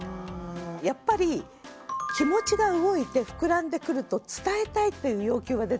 やっぱり気持ちが動いて膨らんでくると伝えたいっていう欲求が出てくるわけですよ。